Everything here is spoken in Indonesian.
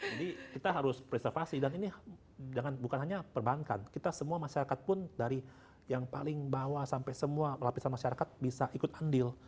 jadi kita harus preservasi dan ini bukan hanya perbankan kita semua masyarakat pun dari yang paling bawah sampai semua lapisan masyarakat bisa ikut andil